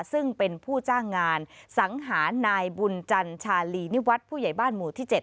ซึ่งเป็นผู้จ้างงานสังหารนายบุญจันชาลีนิวัฒน์ผู้ใหญ่บ้านหมู่ที่๗